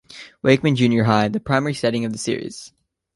Wakeman Junior High The primary setting of the series.